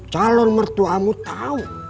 calon mertuamu tau